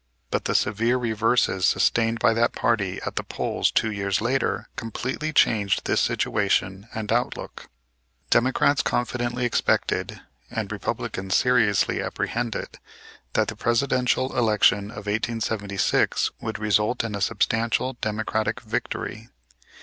But the severe reverses sustained by that party at the polls two years later completely changed this situation and outlook. Democrats confidently expected and Republicans seriously apprehended that the Presidential election of 1876 would result in a substantial Democratic victory.